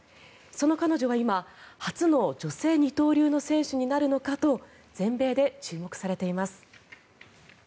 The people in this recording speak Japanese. その彼女は今、初の女性二刀流の選手になるのかと全米で注目されています。